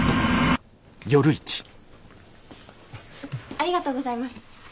ありがとうございます。